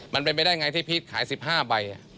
มันเป็นไปได้ไงที่พีชขาย๑๕ใบ